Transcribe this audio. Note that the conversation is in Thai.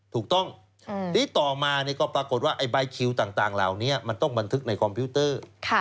ถูกต้องทีนี้ต่อมาก็ปรากฏว่าไอ้ใบคิวต่างเหล่านี้มันต้องบันทึกในคอมพิวเตอร์